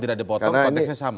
tidak dipotong konteksnya sama